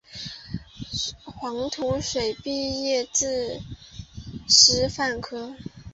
黄土水毕业自师范科